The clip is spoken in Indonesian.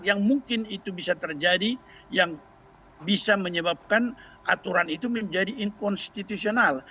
yang mungkin itu bisa terjadi yang bisa menyebabkan aturan itu menjadi inkonstitusional